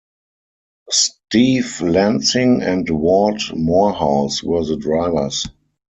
Steve Lansing and Ward Morehouse were the drivers.